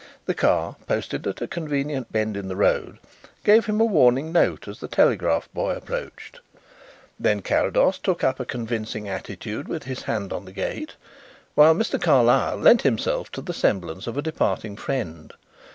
The car, posted at a convenient bend in the road, gave him a warning note as the telegraph boy approached. Then Carrados took up a convincing attitude with his hand on the gate while Mr. Carlyle lent himself to the semblance of a departing friend.